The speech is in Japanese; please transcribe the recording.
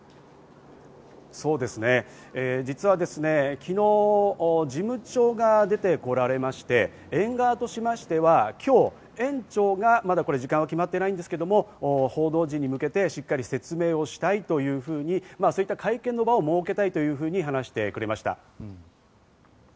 そうですね、実は昨日、事務長が出てこられまして、園側としましては今日、園長がまだ時間は決まっていないんですが、報道陣に向けてしっかり説明をしたいというふうに、そういった会見の場を設けたいと話してくれました。